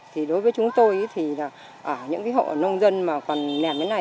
thì đối với chúng tôi thì những hộ nông dân mà còn nèm đến này